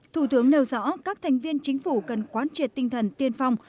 thủ tướng nêu rõ các thành viên chính phủ cần quán triệt tinh thần tiên phong